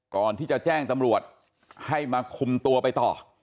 ก่อนที่จะแจ้งตำรวจให้มาคุมตัวไปต่อ